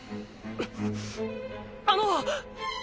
あの！